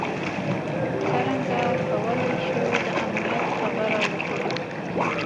څرنګه کولای شو د امنیت خبره وکړو.